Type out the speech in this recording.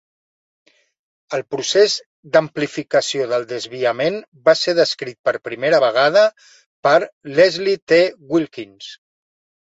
El procés d'amplificació del desviament va ser descrit per primera vegada per Leslie T. Wilkins.